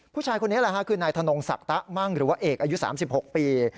ผู้ชายคนนี้แหละค่ะคือนายธนงศักดิ์ตะมั่งหรือว่าเอกอายุ๓๖ปี